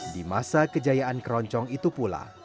di masa kejayaan keroncong itu pula